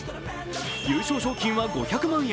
優勝賞金は５００万円。